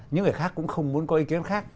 những người khác cũng không muốn có ý kiến khác